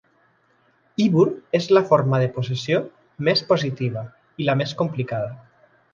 "Ibbur" és la forma de possessió més positiva, i la més complicada.